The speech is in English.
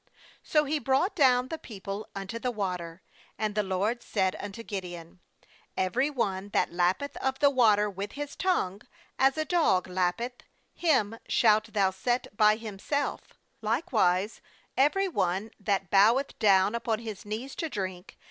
5So he brought down the people unto the water; and the LORD said unto Gideon: ' Every one that lap peth of the water with his tongue, as a dog lappeth, him shalt thou set by himself; likewise every one that bow eth down upon his knees to drink.'